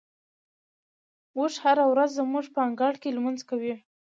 اوښ هره ورځ زموږ په انګړ کې لمونځ کوي.